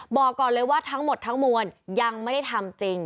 บอกก่อนเลยว่าทั้งหมดทั้งมวลยังไม่ได้ทำจริง